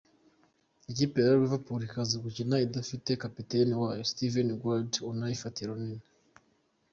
Ikipe ya Liverpool ikaza gukina idafite kapiteni wayo Steven Gerard unayifatiye runini .